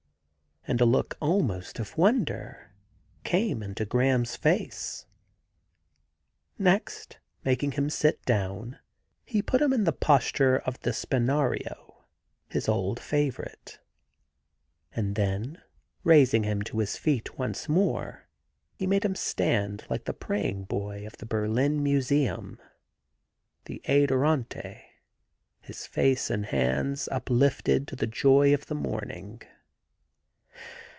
And a look almost of wonder came into Graham's face. Next, making him sit down, he put him in the posture of the ' Spinario,' his old favourite ; and then, raising him to his feet once more, he made him stand like the praying boy of the Berlin Museum, the ^Adorante,' his face and hands uplifted to the joy of the morning.